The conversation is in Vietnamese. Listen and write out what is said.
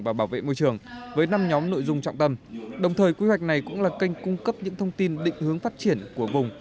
và bảo vệ môi trường với năm nhóm nội dung trọng tâm đồng thời quy hoạch này cũng là kênh cung cấp những thông tin định hướng phát triển của vùng